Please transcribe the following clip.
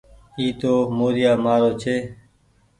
اي تو موريآ مآرو ڇي۔